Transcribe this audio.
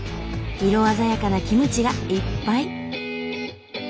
色鮮やかなキムチがいっぱい。